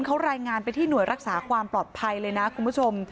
เขารายงานไปที่หน่วยรักษาความปลอดภัยเลยนะคุณผู้ชม